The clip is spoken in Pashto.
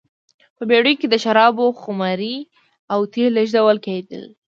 په بېړیو کې د شرابو خُمرې او تېل لېږدول کېدل.